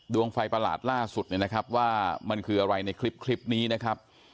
ดวงไฟประหลาดล่าสุดเนี่ยนะครับว่ามันคืออะไรในคลิปนี้นะครับ